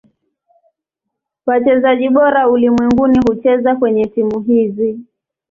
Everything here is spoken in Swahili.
Wachezaji bora ulimwenguni hucheza kwenye timu hizi.